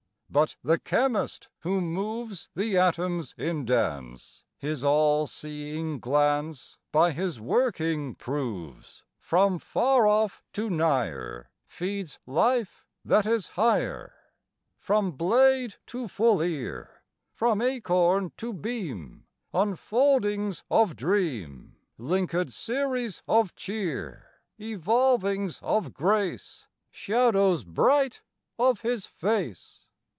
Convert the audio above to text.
But the Chemist who moves The atoms in dance, His all seeing glance By His working proves, From far off to nigher, Feeds life that is higher. From blade to full ear, From acorn to beam, Unfoldings of dream, Linkëd series of cheer, Evolvings of grace, Shadows bright of His face!